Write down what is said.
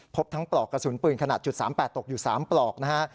พบทั้งปลอกกระสุนปืนขนาดจุดสามแปดตกอยู่สามปลอกนะฮะ